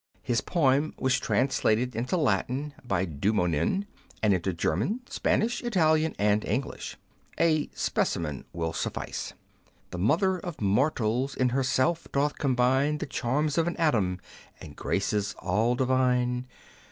His poem was translated into Latin by Dumonin, and into German, Spanish, Italian, and English, A specimen will suffice :— The mother of mortals in herself doth combine The charms of an Adam, and graces all Divine.